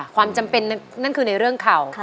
ความจำเป็นนั่นคือในเรื่องเข่า